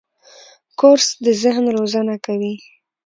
کورس د ذهن روزنه کوي.